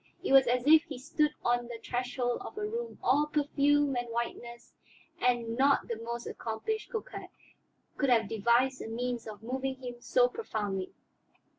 It was as if he stood on the threshold of a room all perfume and whiteness; and not the most accomplished coquette could have devised a means of moving him so profoundly.